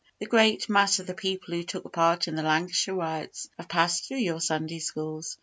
The great mass of the people who took part in the Lancashire Riots have passed through your Sunday schools.